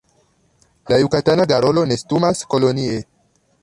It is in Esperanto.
La Jukatana garolo nestumas kolonie.